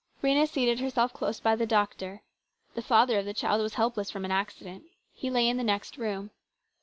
Rhena seated herself close by the doctor. The father of the child was helpless from an accident. He lay in the next room.